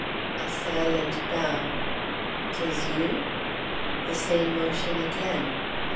A silent bow. "'Tis you?" The same motion again.